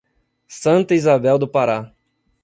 Santa Izabel do Pará